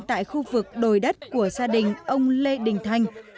tại khu vực đồi đất của gia đình ông lê đình thanh